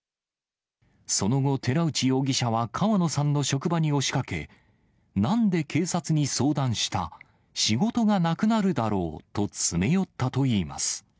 その後、寺内容疑者は川野さんの職場に押しかけ、なんで警察に相談した、仕事がなくなるだろうと詰め寄ったといいます。